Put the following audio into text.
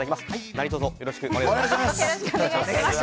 何卒よろしくお願いします。